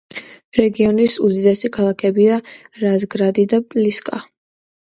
რეგიონის უდიდესი ქალაქებია რაზგრადი და პლისკა.